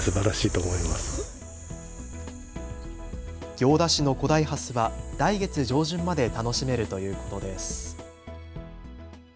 行田市の古代ハスは来月上旬まで楽しめるということです。